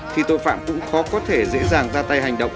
thì tội phạm cũng khó có thể dễ dàng ra tay hành động